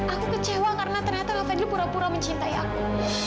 aku kecewa karena ternyata lavandel pura pura mencintai aku